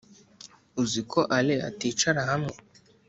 uziko allain aticara hamwe